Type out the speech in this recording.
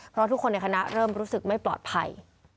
เพราะทุกคนในคณะเริ่มรู้สึกไม่ปลอดภัย